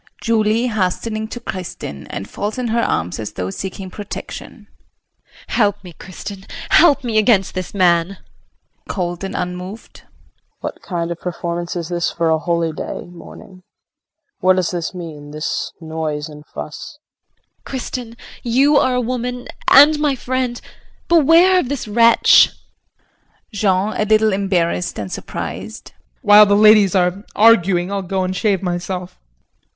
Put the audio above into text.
] JULIE [Hastening to Kristin and falls in her arms as though seeking protection]. Help me, Kristin, help me against this man. KRISTIN [Cold and unmoved]. What kind of performance is this for a holy day morning? What does this mean this noise and fuss? JULIE. Kristin, you are a woman, and my friend. Beware of this wretch. JEAN [A little embarrassed and surprised]. While the ladies are arguing I'll go and shave myself.